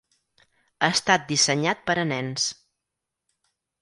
Ha estat dissenyat per a nens.